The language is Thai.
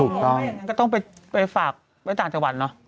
ไม่อย่างนั้นก็ต้องไปฝากไว้ต่างจังหวัดเนอะ